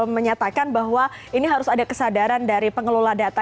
menyatakan bahwa ini harus ada kesadaran dari pengelola data